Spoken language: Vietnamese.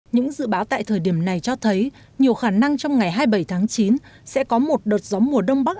những dự báo tại thời điểm này cho thấy nhiều khả năng trong ngày hai mươi bảy tháng chín sẽ có một đợt gió mùa đông bắc